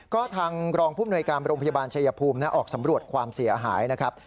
ก็ทางรองภูมิหน่วยการโรงพยาบาลชายภูมิออกสำรวจความเสียหายนะครับ